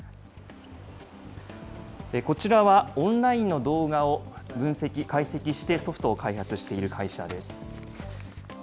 こちらはオンラインの動画を分析、解析してソフトを開発している会社です。